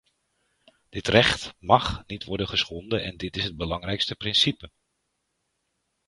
Dit recht mag niet worden geschonden en dit is het belangrijkste principe.